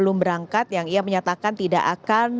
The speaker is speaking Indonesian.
gambar yang anda saksikan saat ini adalah